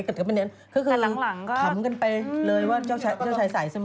ฉะนั้นก็คือถำกันไปเลยว่าเจ้าชายสายเสมอ